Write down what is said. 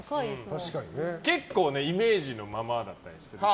結構イメージのままだったり。